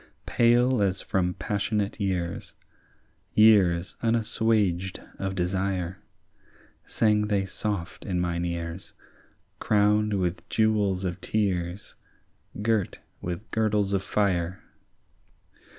Pale as from passionate years, Years unassuaged of desire, Sang they soft in mine ears, Crowned with jewels of tears, Girt with girdles of fire.